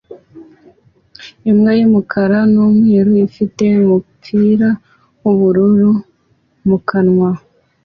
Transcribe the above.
Imbwa y'umukara n'umweru ifite umupira w'ubururu mu kanwa